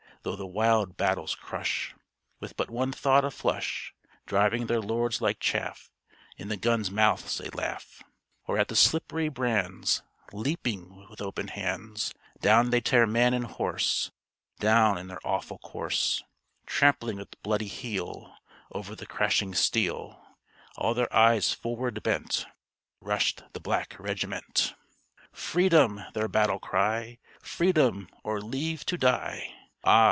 Through the wild battle's crush, With but one thought aflush, Driving their lords like chaff, In the guns' mouths they laugh; Or at the slippery brands Leaping with open hands, Down they tear man and horse, Down in their awful course; Trampling with bloody heel Over the crashing steel, All their eyes forward bent, Rushed the black regiment. "Freedom!" their battle cry, Freedom! or leave to die!" Ah!